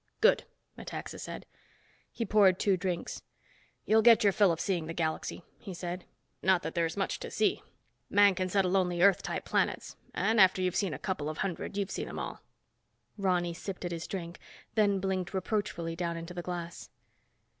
"Good," Metaxa said. He poured two drinks. "You'll get your fill of seeing the galaxy," he said. "Not that there's much to see. Man can settle only Earth type planets and after you've seen a couple of hundred you've seen them all." Ronny sipped at his drink, then blinked reproachfully down into the glass.